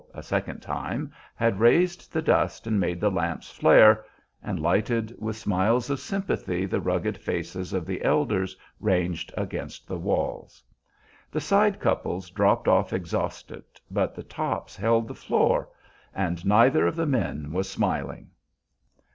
a second time had raised the dust and made the lamps flare, and lighted with smiles of sympathy the rugged faces of the elders ranged against the walls. The side couples dropped off exhausted, but the tops held the floor, and neither of the men was smiling.